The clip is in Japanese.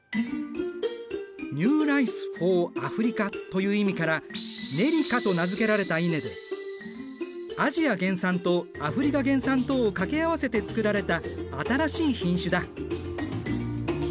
ＮｅｗＲｉｃｅｆｏｒＡｆｒｉｃａという意味からネリカと名付けられた稲でアジア原産とアフリカ原産とを掛け合わせて作られた新しい品種だ。